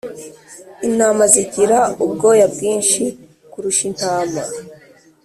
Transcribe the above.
Intama zigira ubwoya bwinshi kurusha intama